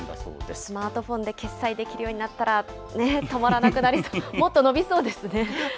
スマートフォンで決済できるようになったら止まらなくなりそう、もっと伸びそうですね。